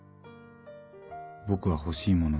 僕は欲しいもの